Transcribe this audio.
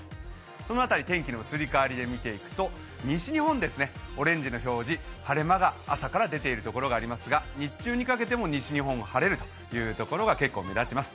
その辺り、天気の移り変わりを見ていくと、西日本、オレンジの表示、晴れ間が朝から出ているところがありますが日中にかけても西日本は晴れるというところが結構目立ちます。